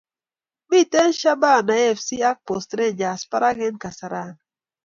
Miten shabana fc ak Post rangers par ak en kasari